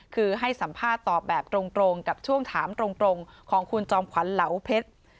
คือให้สัมภาษณ์ตอบแบบตรงกับช่วงถามตรงของคุณจอมขวัญเหลาเพชร